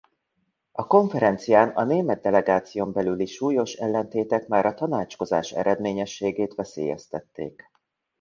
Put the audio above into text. A konferencián a német delegáción belüli súlyos ellentétek már a tanácskozás eredményességét veszélyeztették.